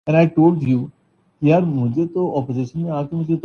جاپانی صنعتی کمپنیوں کو بہتر سمجھنا چاہِیے